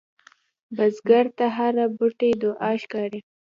بزګر ته هره بوټۍ دعا ښکاري